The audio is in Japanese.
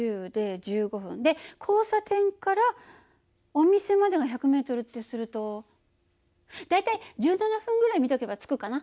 で交差点からお店までが１００ｍってすると大体１７分ぐらい見とけば着くかな。